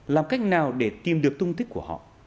làm cách nào để tìm được tung tích của họ